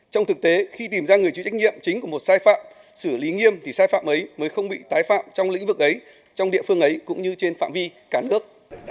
trong thực tế khi tìm ra người chịu trách nhiệm chính của một sai phạm xử lý nghiêm thì sai phạm ấy mới không bị tái phạm trong lĩnh vực ấy trong địa phương ấy cũng như trên phạm vi cả nước